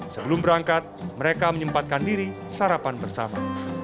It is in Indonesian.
sebelum berangkat mereka menyempatkan diri sarapan bersama